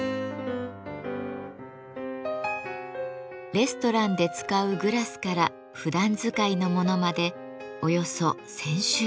レストランで使うグラスからふだん使いのものまでおよそ１，０００種類。